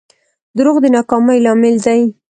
دروغ د ناکامۍ لامل دي.